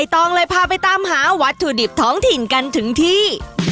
ต้องเลยพาไปตามหาวัตถุดิบท้องถิ่นกันถึงที่